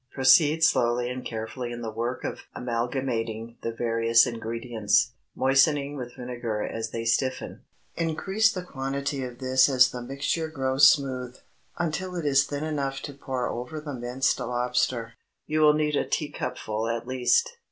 Proceed slowly and carefully in the work of amalgamating the various ingredients, moistening with vinegar as they stiffen. Increase the quantity of this as the mixture grows smooth, until it is thin enough to pour over the minced lobster. You will need a teacupful at least.